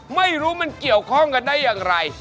ไม่รู้มันเกี่ยวข้องกันได้อย่างไร